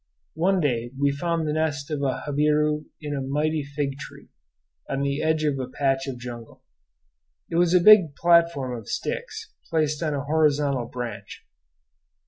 One day we found the nest of a jabiru in a mighty fig tree, on the edge of a patch of jungle. It was a big platform of sticks, placed on a horizontal branch.